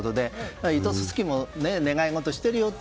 糸すすきも願いをしていると。